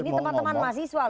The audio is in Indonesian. ini teman teman mahasiswa